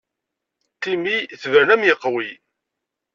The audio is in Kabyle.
Timi tebren am yeqwi.